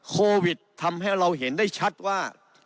โควิดทำให้เราเห็นได้ชัดว่า